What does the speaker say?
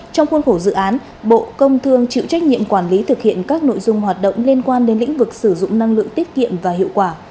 trong khuôn khổ dự án bộ công thương chịu trách nhiệm quản lý thực hiện các nội dung hoạt động liên quan đến lĩnh vực sử dụng năng lượng tiết kiệm và hiệu quả